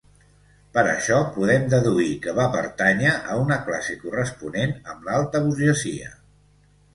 Per això podem deduir que va pertànyer a una classe corresponent amb l'alta burgesia.